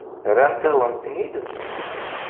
Rrant-awen-ten-id?